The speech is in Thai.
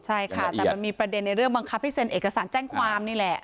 ใช่ค่ะแต่มันมีประเด็นในเรื่องบังคับให้เซ็นเอกสารแจ้งความนี่แหละ